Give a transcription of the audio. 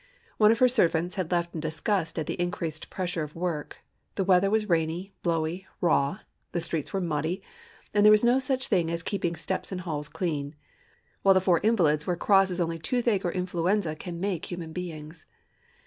One of her servants had left in disgust at the increased pressure of work; the weather was rainy, blowy, raw; the streets were muddy, and there was no such thing as keeping steps and halls clean, while the four invalids were cross as only toothache or influenza can make human beings.